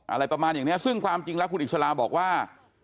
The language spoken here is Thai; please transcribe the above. อะไรประมาณอย่างนี้ซึ่งความจริงแล้วคุณอิสลาบอกว่า